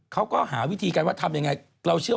เขาก็หาวิธีกันว่าทำยังไง